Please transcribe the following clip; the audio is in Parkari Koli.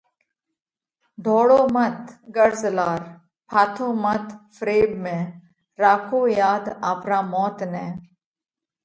ڍوڙو مت غرض لار، ڦاٿو مت فريٻ ۾، راکو ياڌ آپرا موت نئہ!